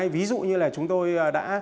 ví dụ như là chúng tôi đã